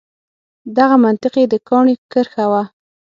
دغه منطق یې د کاڼي کرښه وه.